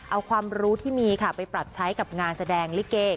เอาความรู้ที่มีค่ะไปปรับใช้กับงานแสดงลิเก